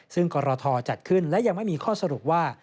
ซึ่งกรทจัดขึ้นและยังไม่มีข้อสรุปว่า